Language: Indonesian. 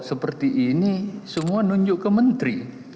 seperti ini semua nunjuk ke menteri